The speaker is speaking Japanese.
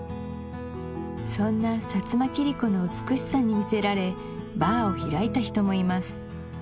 そんな薩摩切子の美しさに魅せられバーを開いた人もいます